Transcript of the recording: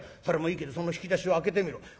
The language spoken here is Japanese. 『それもいいけどその引き出しを開けてみろ』。